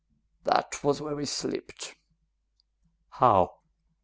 That was where we slipped." "How?"